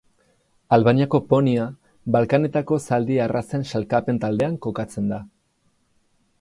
Albaniako ponia Balkanetako zaldi arrazen sailkapen taldean kokatzen da.